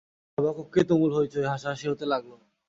সভাকক্ষে তুমুল হৈ চৈ, হাসাহাসি হতে থাকল।